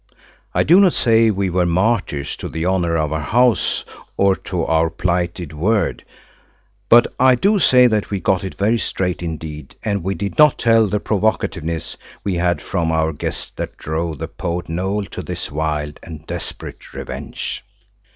I do not say we were martyrs to the honour of our house and to our plighted word, but I do say that we got it very straight indeed, and we did not tell the provocativeness we had had from our guest that drove the poet Noël to this wild and desperate revenge.